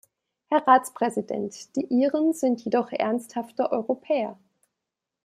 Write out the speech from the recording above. Herr Ratspräsident, die Iren sind jedoch ernsthafte Europäer.